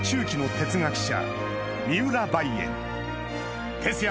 哲学者。